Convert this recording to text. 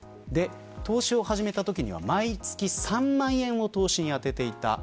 投資を始めたときは毎月３万円を投資にあてていた。